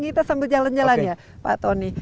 kita sambil jalan jalan ya pak tony